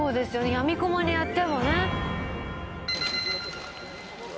やみくもにやってもね。